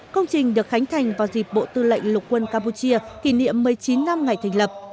công trình được khánh thành vào dịp bộ tư lệnh lục quân campuchia kỷ niệm một mươi chín năm ngày thành lập